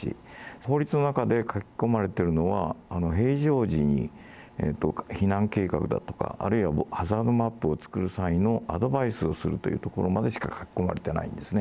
法律の中で書き込まれているのは、平常時に避難計画だとか、あるいはハザードマップを作る際のアドバイスをするというところまでしか書き込まれてないんですね。